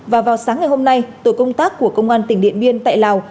và vào sáng ngày hôm nay tổ công tác của công an tỉnh điện biên tại lào